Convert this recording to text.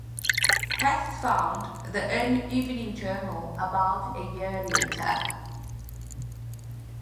Hearst founded the "Evening Journal" about a year later.